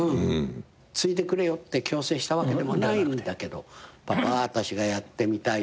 継いでくれよって強制したわけでもないんだけど「パパあたしがやってみたい」と。